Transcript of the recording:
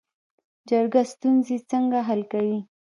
جرګه ستونزې څنګه حل کوي؟